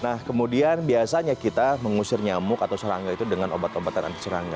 nah kemudian biasanya kita mengusir nyamuk atau serangga itu dengan obat obatan anti serangga